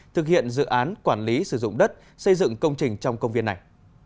thực hiện dự án quản lý sử dụng đất xây dựng công trình trong công viên này